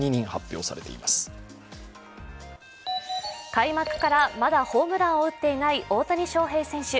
開幕からまだホームランを打っていない大谷翔平選手。